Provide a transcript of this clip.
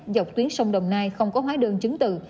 dọc tuyến sông đồng nai không có hóa đơn chứng từ